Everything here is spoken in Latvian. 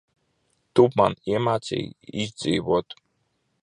Tu man iemācīji izdzīvot.